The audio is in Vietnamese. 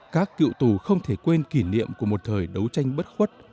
các cựu tù không thể quên kỷ niệm của một thời đấu tranh bất khuất